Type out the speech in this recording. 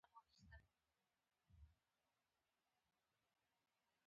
پروفېسر راز محمد راز يو مترقي ملتپال، ترقيپال مترقي شخصيت و